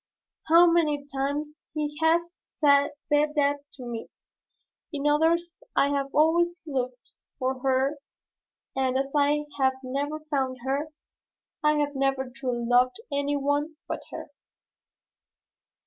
How many times he has said to me, 'In others I have always looked for her and as I have never found her, I have never truly loved any one but her.'"